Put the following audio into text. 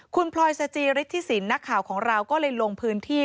คุณพลอยสจิฤทธิสินนักข่าวของเราก็เลยลงพื้นที่